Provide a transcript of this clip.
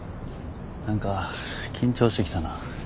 何か緊張してきたな。